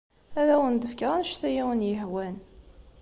Ad awen-d-fkeɣ anect ay awen-yehwan.